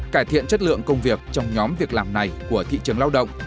cải thiện chất lượng công việc trong nhóm việc làm này của thị trường lao động